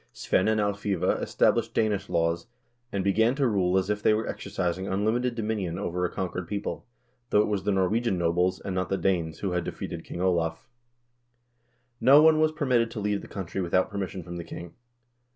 Svein and Alfiva established Danish laws, and began to rule as if they were exercising unlimited dominion over a conquered people, though it was the Norwegian nobles, and not the Danes, who had defeated King Olav. No one was permitted to leave the country without permission from the king.